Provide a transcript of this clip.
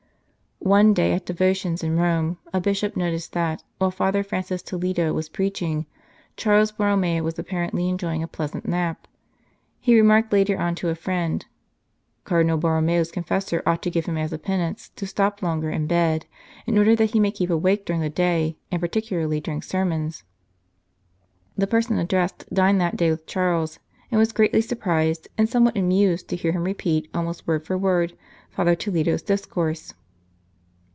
One day at devo tions in Rome, a Bishop noticed that, while Father Francis Toledo was preaching, Charles Borromeo was apparently enjoying a pleasant nap. He remarked later on to a friend :" Cardinal Bor romeo s confessor ought to give him as a penance 205 St. Charles Borromeo to stop longer in bed, in order that he may keep awake during the day, and particularly during sermons." The person addressed dined that day with Charles, and was greatly surprised, and some what amused, to hear him repeat almost word for word Father Toledo s discourse.